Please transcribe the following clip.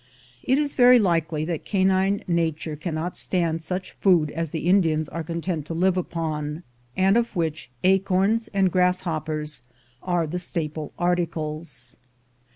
It is very likely that canine nature cannot stand such food as the Indians are content to live upon, and of which acorns and grasshoppers are the staple articles.